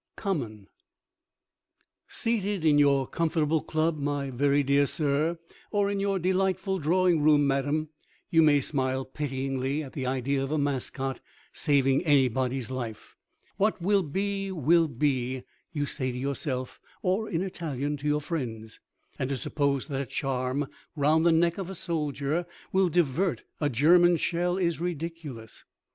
COMMON Seated in your comfortable club, my very dear sir, or in your delightful drawing room, madam, you may smile pityingly at the idea of a mascot saving anybody's life. "What will be, will be," you say to yourself (or in Italian to your friends), "and to suppose that a charm round the neck of a soldier will divert a German shell is ridiculous."